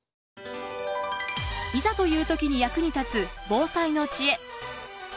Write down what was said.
いざという時に役に立つ防災の知恵。